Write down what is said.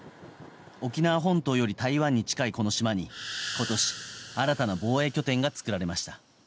沖縄本島より台湾に近いこの島に今年、新たな防衛拠点が作られました。